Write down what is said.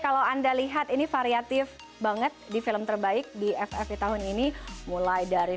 kalau anda lihat ini variatif banget di film terbaik di ffi tahun ini mulai dari